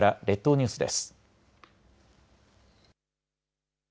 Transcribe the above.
列島ニュースです。